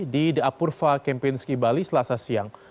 di the apurva kempinski bali selasa siang